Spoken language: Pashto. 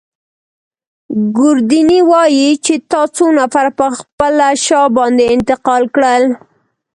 ګوردیني وايي چي تا څو نفره پر خپله شا باندې انتقال کړل.